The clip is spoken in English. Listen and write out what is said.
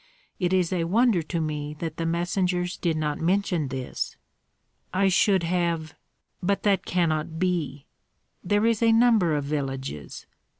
It is a wonder to me that the messengers did not mention this." "I should have But that cannot be. There is a number of villages.